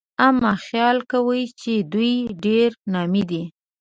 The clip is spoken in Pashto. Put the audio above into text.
اما خيال کوي چې دوی ډېرې نامي دي